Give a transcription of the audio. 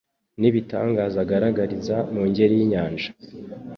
n’ibitangaza agaragariza mu ngeri y’inyanja